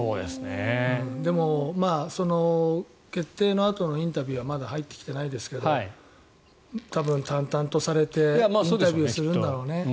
でも、決定のあとのインタビューはまだ入ってきてないですけど多分、淡々とされてインタビューするんだろうね。